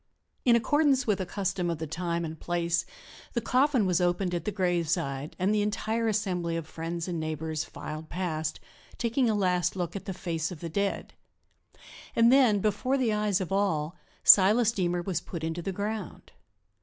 In accordance with a custom of the time and place, the coffin was opened at the graveside and the entire assembly of friends and neighbors filed past, taking a last look at the face of the dead. And then, before the eyes of all, Silas Deemer was put into the ground.